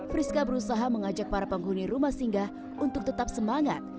friska berusaha mengajak para penghuni rumah singgah untuk tetap semangat